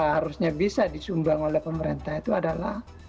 harusnya bisa disumbang oleh pemerintah itu adalah